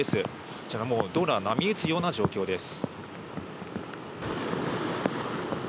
こちらもう道路は波打つような状況です。